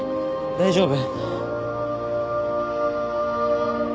大丈夫？